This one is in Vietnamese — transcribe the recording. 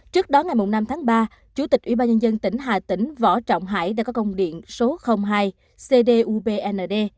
trước đó ngày năm tháng ba chủ tịch ubnd tỉnh hà tĩnh võ trọng hải đã có công điện số hai cdubnd